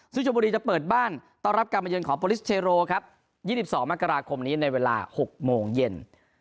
ซึ่งชมบุรีจะเปิดบ้านต้อนรับการมาเยินของโปรลิสเทโรครับ๒๒มกราคมนี้ในเวลา๖โมงเย็น